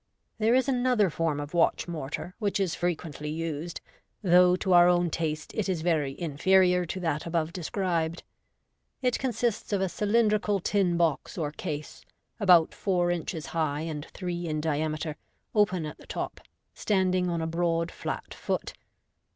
There is another form of watch mortar, which is frequently used, though to our own taste it is very inferior to that above described. It consists of a cylindrical tin box or case, about four inches high and three in diameter, open at the top, standing on a broad flat foot.